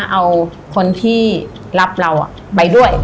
เอาคนที่รับเราไปด้วย